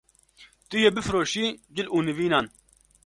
Tu yê bifroşî cil û nîvînan